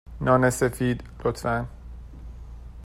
نان سفید، لطفا.